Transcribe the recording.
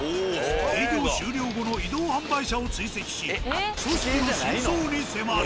営業終了後の移動販売車を追跡し組織の真相に迫る！